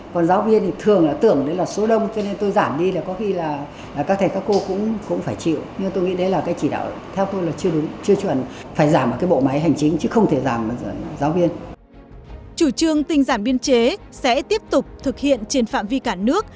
chủ trương tinh giản biên chế sẽ tiếp tục thực hiện trên phạm vi cả nước